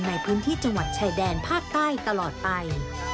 ในพื้นที่จังหวัดชายแดนภาคใต้ตลอดไป